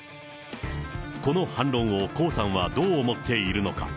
この反論を江さんはどう思っているのか。